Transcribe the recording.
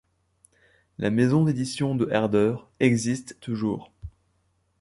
La maison d'édition de Herder existe toujours.